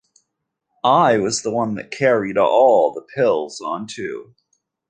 I was the one that carried all the pills on tou.